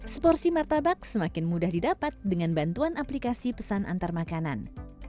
seporsi martabak semakin mudah didapat dengan bantuan aplikasi pesan antarmakanan